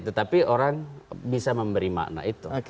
tetapi orang bisa memberi makna itu